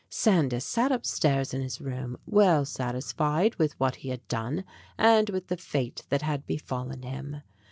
Sandys sat upstairs in his room, well satisfied with what he had done and with the fate that had befallen him.